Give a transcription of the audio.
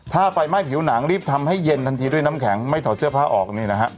ถ้าไฟไหม้ผิวหนังรีบทำให้เย็นทันทีด้วยน้ำแข็งไม่ถอดเสื้อผ้าออกนี่นะฮะ